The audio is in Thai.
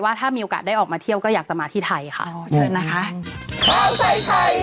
ว่าถ้ามีโอกาสได้ออกมาเที่ยวก็อยากจะมาที่ไทยค่ะเชิญนะคะ